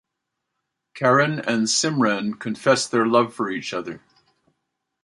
Karan and Simran confess their love for each other.